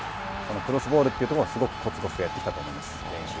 クロスボールというところ、すごくコツコツやってきたと思います。